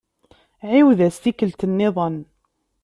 Ɛiwed-as tikkelt-nniḍen.